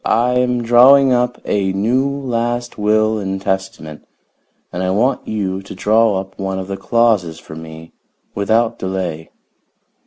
I am drawing up a new last will and testament, and I want you to draw up one of the clauses for me without delay."